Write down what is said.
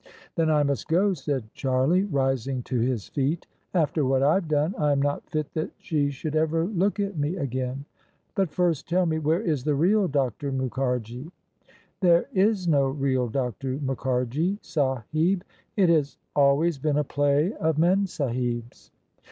"Then I must go," said Charlie, rising to his feet. " After what IVe done I am not fit that she should ever look at me again. But first tell me, where is the real Dr. Mukharji?" " There is no real Dr. Mukharji, Sahib. It has always been a play of Memsahib's."